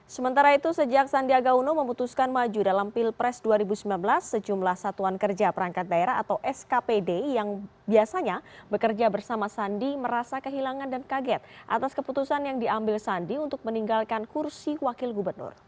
sementara itu sejak sandiaga uno memutuskan maju dalam pilpres dua ribu sembilan belas sejumlah satuan kerja perangkat daerah atau skpd yang biasanya bekerja bersama sandi merasa kehilangan dan kaget atas keputusan yang diambil sandi untuk meninggalkan kursi wakil gubernur